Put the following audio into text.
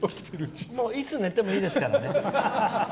いつ寝てもいいですからね。